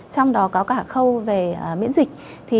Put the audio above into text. trong đó có cả khâu về miễn dịch